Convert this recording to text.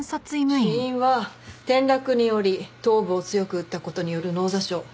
死因は転落により頭部を強く打った事による脳挫傷。